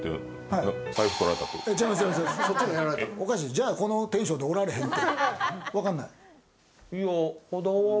じゃあ、このテンションでおられへんって。